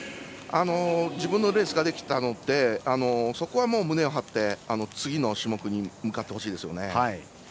自分のレースができたのでそこは胸を張って次の種目に向かってほしいですね。